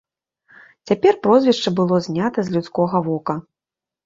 Цяпер прозвішча было знята з людскога вока.